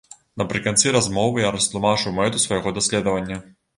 Напрыканцы размовы я растлумачыў мэту свайго даследавання.